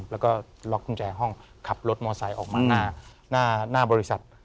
แล้วก็ล็อกกุญแจห้องขับรถมอไซค์ออกมาหน้าบริษัท